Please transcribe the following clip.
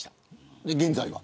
現在は。